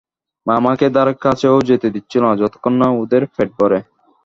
মা আমাকে ধারেকাছেও যেতে দিচ্ছিল না, যতক্ষণ না ওদের পেট ভরে।